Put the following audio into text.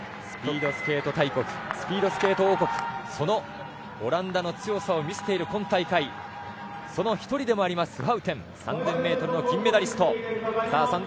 スピードスケート大国スピードスケート王国そのオランダの強さを見せている今大会その１人でもありますスハウテン３０００ｍの金メダリスト。